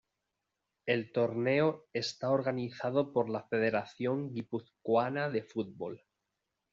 El torneo está organizado por la Federación Guipuzcoana de Fútbol.